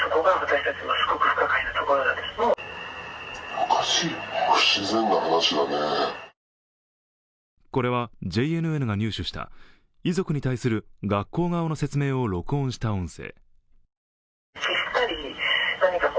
これはＪＮＮが入手した遺族に対する学校側の説明を録音した音声。